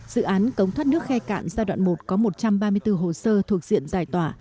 dự án cống thoát nước khe cạn giai đoạn một có một trăm ba mươi bốn hồ sơ thuộc diện giải tỏa